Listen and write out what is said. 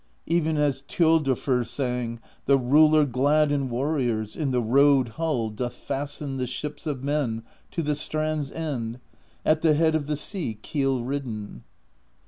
Even as Thjodolfr sang: The Ruler, glad in Warriors, In the rowed hull doth fasten The ships of men to the strand's end, At the head of the sea keel ridden.